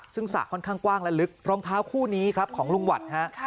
ซึ่งสระค่อนข้างกว้างและลึกรองเท้าคู่นี้ครับของลุงหวัดฮะ